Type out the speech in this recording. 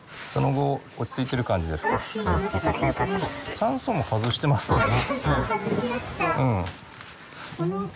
酸素も外してますよね。